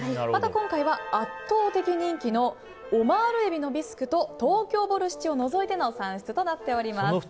また、今回は圧倒的人気のオマール海老のビスクと東京ボルシチを除いての算出となっています。